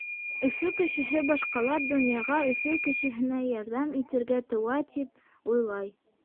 Өфө кешеһе башҡалар донъяға Өфө кешеһенә ярҙам итергә тыуа, тип уйлай.